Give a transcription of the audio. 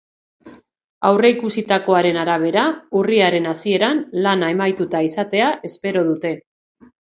Aurreikusitakoaren arabera, urriaren hasieran lana amaituta izatea espero dute.